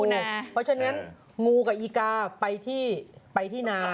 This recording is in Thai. เพราะฉะนั้นงูกับอีกาไปที่นา